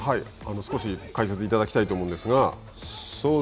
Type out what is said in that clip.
少し解説いただきたいと思うんですが。